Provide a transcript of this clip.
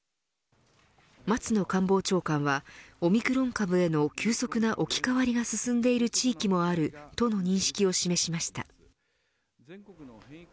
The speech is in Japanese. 松野官房長官はオミクロン株への急速な置き換わりが進んでいる地域もある、との認識を示しました。